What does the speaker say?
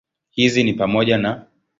Hizi ni pamoja na